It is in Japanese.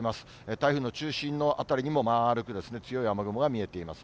台風の中心の辺りにもまあるく強い雨雲が見えています。